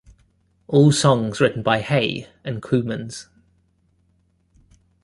All songs written by Hay and Kooymans.